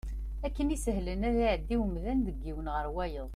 Akken isehlen ad iɛeddi umdan deg yiwen ɣer wayeḍ.